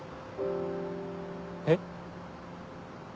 えっ？